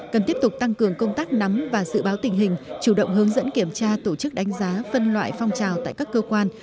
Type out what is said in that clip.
cần tiếp tục tăng cường công tác nắm và dự báo tình hình chủ động hướng dẫn kiểm tra tổ chức đánh giá phân loại phong trào tại các cơ quan